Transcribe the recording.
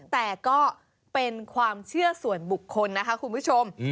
แต่ก็เป็นความเชื่อส่วนบุคคลนะคะคุณผู้ชม